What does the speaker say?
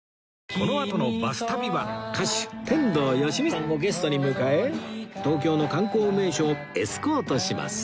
このあとの『バス旅』は歌手天童よしみさんをゲストに迎え東京の観光名所をエスコートします